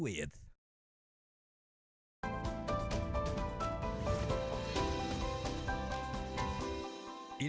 di asosiasi dengan